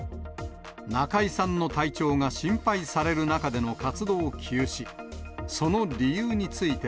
中居さんの体調が心配される中での活動休止。